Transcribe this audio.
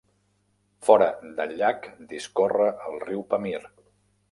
Fora del llac discorre el riu Pamir.